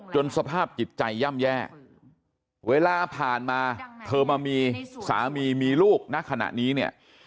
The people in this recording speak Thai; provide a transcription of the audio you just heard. สภาพจิตใจย่ำแย่เวลาผ่านมาเธอมามีสามีมีลูกณขณะนี้เนี่ย